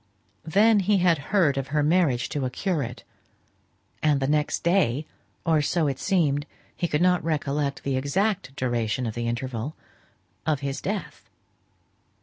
Then he had heard of her marriage to a curate; and the next day (or so it seemed, he could not recollect the exact duration of the interval), of his death.